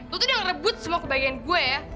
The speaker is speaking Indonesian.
lo tuh udah ngerebut semua kebahagiaan gue ya